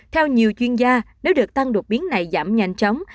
theo nhiều chuyên gia nếu được tăng đột biến này giảm nhanh chóng